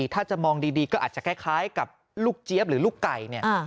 ถ้าจะมองดีก็อาจจะคล้ายกับลูกเจี๊ยบหรือลูกไก่เนี่ย